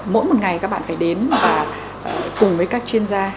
mỗi một ngày các bạn phải đến và cùng với các chuyên gia